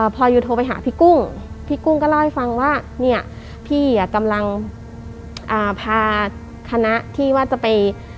พอยูโทรไปหาพี่กุ้งพี่กุ้งก็เล่าให้ฟังว่าเนี่ยพี่อ่ะกำลังพาคณะที่ว่าจะไป